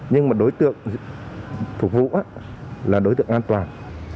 nhưng mà đối tượng phục vụ là đối tượng an toàn